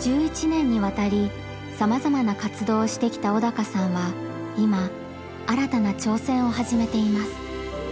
１１年にわたりさまざまな活動をしてきた小鷹さんは今新たな挑戦を始めています。